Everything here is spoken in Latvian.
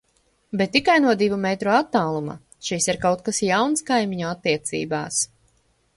Bet tikai no divu metru attāluma. Šis ir kaut kas jauns kaimiņu attiecībās.